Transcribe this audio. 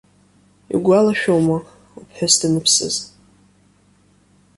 Иугәалашәома, уԥҳәыс даныԥсыз.